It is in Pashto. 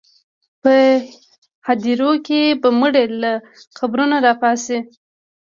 په هدیرو کې به مړي له قبرونو راپاڅي.